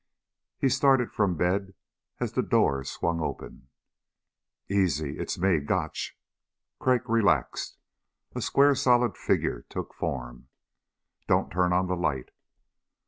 He started from bed as the door swung open. "Easy. It's me Gotch." Crag relaxed. A square solid figure took form. "Don't turn on the light."